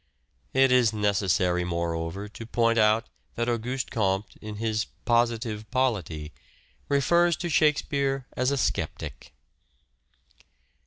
It is necessary, moreover, to point out that Auguste Comte in his " Positive Polity " refers to " Shake speare " as a sceptic.